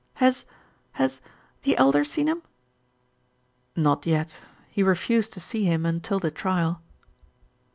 Has has the Elder seen him?" "Not yet. He refused to see him until the trial."